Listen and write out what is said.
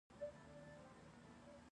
حال دا چې شرایط یو شان وي.